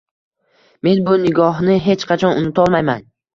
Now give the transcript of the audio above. men bu nigohni hech qachon unutolmayman.